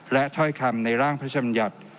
และถ่อยคำในร่างพระชาบัญญัติ